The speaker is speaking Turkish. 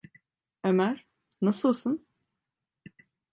Ömer, nasılsın?